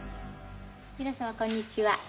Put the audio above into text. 皆様こんにちは。